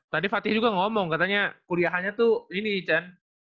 tadi fatih juga ngomong katanya kuliahannya tuh ini ican